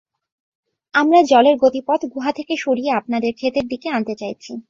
আমরা জলের গতিপথ গুহা থেকে সরিয়ে আপনাদের ক্ষেতের দিকে আনতে চাইছি।